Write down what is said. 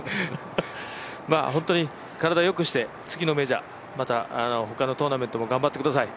本当に体よくして、次のメジャーまた他のトーナメントも頑張ってください。